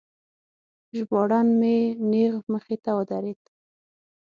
ژباړن مې نیغ مخې ته ودرید.